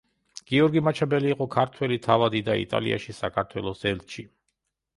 გიორგი მაჩაბელი იყო ქართველი თავადი და იტალიაში საქართველოს ელჩი.